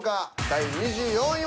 第２３位。